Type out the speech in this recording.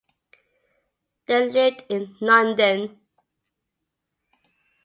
They lived in London.